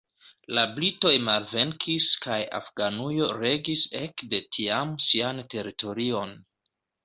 La britoj malvenkis kaj Afganujo regis ekde tiam sian teritorion.